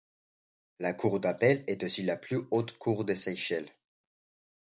La Cour d'appel est aussi la plus haute cour des Seychelles.